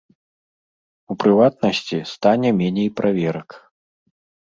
У прыватнасці, стане меней праверак.